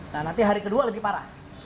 nah nanti hari ke dua lebih parah